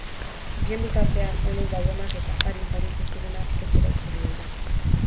Bien bitartean, onik daudenak eta arin zauritu zirenak etxera itzuli dira.